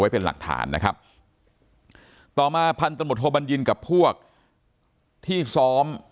เป็นหลักฐานนะครับต่อมาพันตำรวจโทบัญญินกับพวกที่ซ้อม